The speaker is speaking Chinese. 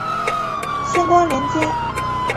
相关连结